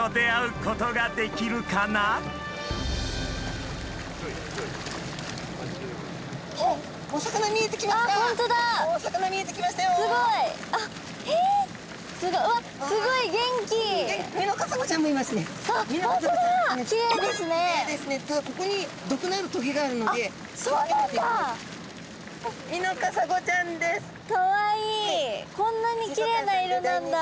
こんなにきれいな色なんだ。